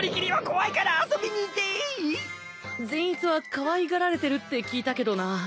かわいがられてるって聞いたけどな。